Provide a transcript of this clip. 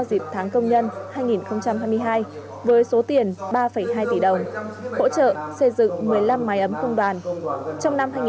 dịp tháng công nhân hai nghìn hai mươi hai với số tiền ba hai tỷ đồng hỗ trợ xây dựng một mươi năm máy ấm công đoàn